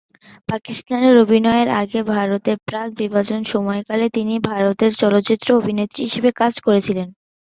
পাকিস্তানে অভিনয়ের আগে ভারতের প্রাক-বিভাজন সময়কালে তিনি ভারতে চলচ্চিত্র অভিনেত্রী হিসেবে কাজ করেছিলেন।